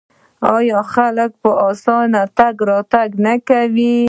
آیا خلک په اسانۍ تګ راتګ نه کوي؟